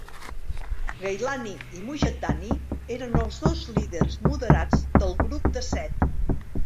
Gailani i Mujaddadi eren els dos líders moderats del grup de set.